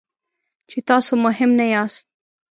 چې تاسو مهم نه یاست.